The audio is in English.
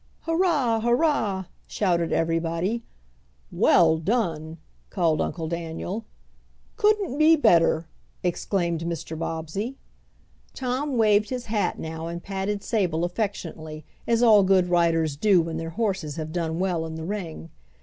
"Hurrah! hurrah!" shouted everybody. "Well done!" called Uncle Daniel. "Couldn't be better!" exclaimed Mr. Bobbsey. Tom waved his hat now and patted Sable affectionately, as all good riders do when their horses have done well in the ring.